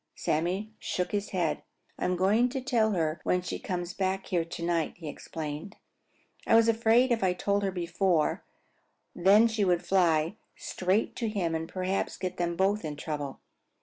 Sammy shook his head. "I'm going to tell her when she comes back here to night," he explained. "I was afraid if I told her before then she would fly straight to him and perhaps get them both in trouble."